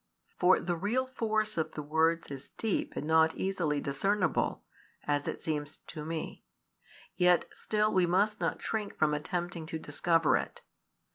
For the real force of the words is deep and not easily discernible, as it seems to me; yet still we must not shrink from attempting to discover it.